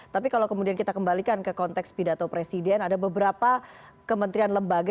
tapi kalau kemudian kita kembalikan ke konteks pidato presiden ada beberapa kementerian lembaga